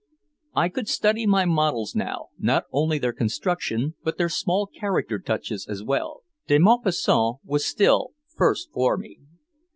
I could study my models now, not only their construction but their small character touches as well. De Maupassant was still first for me.